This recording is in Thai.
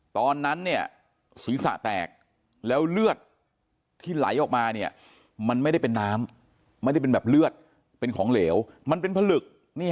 ตอนนั้นเนี่ยศีรษะแตกแล้วเลือดที่ไหลออกมาเนี่ยมันไม่ได้เป็นน้ำไม่ได้เป็นแบบเลือดเป็นของเหลวมันเป็นผลึก